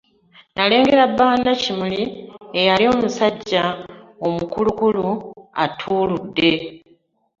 Nalengera bba wa Nakimuli eyali omusajja omukulukulu attuludde.